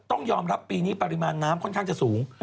ต้องยอมรับปีนี้ปริมาณน้ำค่อนข้างจะสูง